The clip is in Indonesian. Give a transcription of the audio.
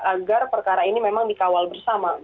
agar perkara ini memang dikawal bersama